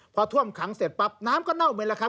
พอท่วมขังเสร็จปั๊บน้ำก็เน่าไหมล่ะครับ